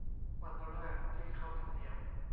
วันแรกที่เข้าทำเนียบ